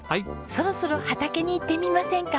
そろそろ畑に行ってみませんか？